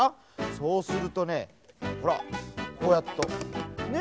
そうするとねほらこうやるとね？